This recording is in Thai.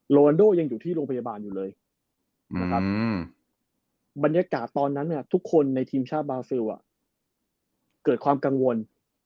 วันโดยังอยู่ที่โรงพยาบาลอยู่เลยนะครับบรรยากาศตอนนั้นทุกคนในทีมชาติบาซิลเกิดความกังวล